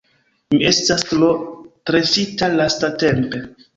Mi estas tro stresita lastatempe